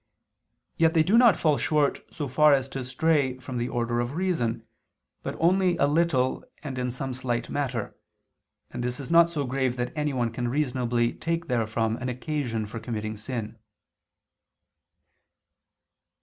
Yet they do not fall short so far as to stray far from the order of reason, but only a little and in some slight matter: and this is not so grave that anyone can reasonably take therefrom an occasion for committing sin.